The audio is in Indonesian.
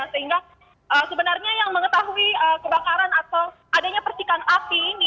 sehingga sebenarnya yang mengetahui kebakaran atau adanya persikan api ini